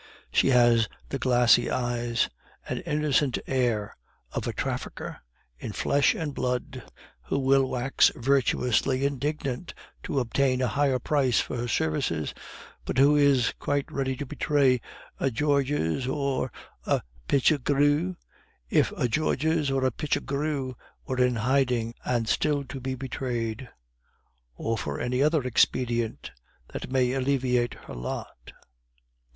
She has the glassy eyes and innocent air of a trafficker in flesh and blood, who will wax virtuously indignant to obtain a higher price for her services, but who is quite ready to betray a Georges or a Pichegru, if a Georges or a Pichegru were in hiding and still to be betrayed, or for any other expedient that may alleviate her lot.